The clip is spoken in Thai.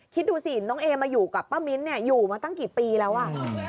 คิดดูสิน้องเอมาอยู่กับป้ามิ้นเนี่ยอยู่มาตั้งกี่ปีแล้วอ่ะ